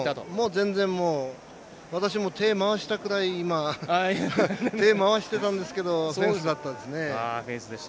全然、私も手を回してたんですけどフェンスだったですね。